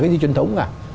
cái gì truyền thống cả